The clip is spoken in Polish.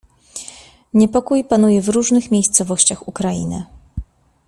"Niepokój panuje w różnych miejscowościach Ukrainy."